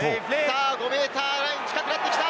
さあ、５ｍライン近くなってきた。